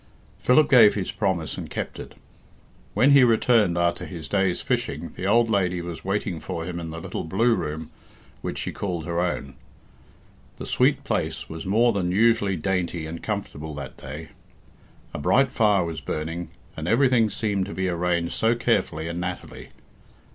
Philip gave his promise and kept it. When he returned after his day's fishing the old lady was waiting for him in the little blue room which she called her own. The sweet place was more than usually dainty and comfortable that day. A bright fire was burning, and everything seemed to be arranged so carefully and nattily.